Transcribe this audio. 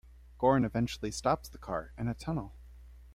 Goran eventually stops the car in a tunnel.